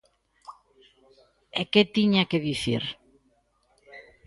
"E que tiña que dicir?".